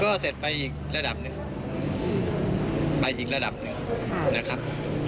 ก็เสร็จไปอีกระดับหนึ่งไปอีกระดับหนึ่งนะครับ